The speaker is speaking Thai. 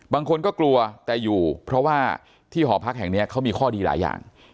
บางคนก็กลัวแต่อยู่เพราะว่าที่หอพักแห่งนี้เขามีข้อดีหลายอย่าง